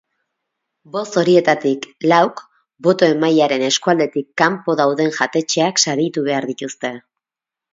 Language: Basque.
Boz horietatik lauk boto-emailearen eskualdetik kanpo dauden jatetxeak saritu behar dituzte.